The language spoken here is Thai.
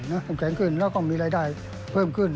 น้ำแข็งขึ้นแล้วก็มีรายได้เพิ่มขึ้น